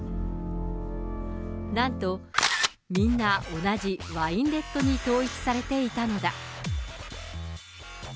なんと、みんな同じワインレッドに統一されていたのだ。